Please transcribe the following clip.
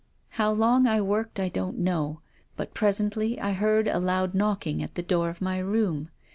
I low long I worked I don't know, but presently I heard a loud knocking at the door of my room.